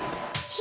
姫！